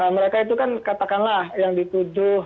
mereka itu kan katakanlah yang dituju